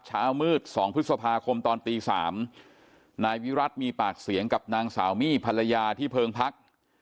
เช้ามืด๒พฤษภาคมตอนตี๓นายวิรัติมีปากเสียงกับนางสาวมี่ภรรยาที่เพิงพัก